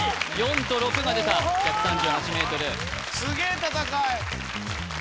４と６が出た１３８ｍすげえ戦い